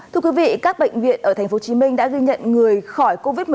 thưa quý vị các bệnh viện ở tp hcm đã ghi nhận người khỏi covid một mươi chín